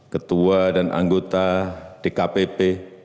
ketua dan anggota dkpb